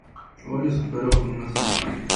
Ovario súpero, con una sola cavidad.